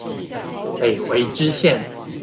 北回支線